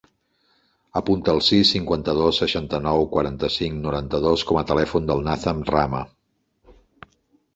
Apunta el sis, cinquanta-dos, seixanta-nou, quaranta-cinc, noranta-dos com a telèfon del Nathan Rama.